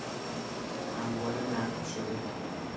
اموال نقد شده